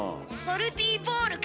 ソルティーボール？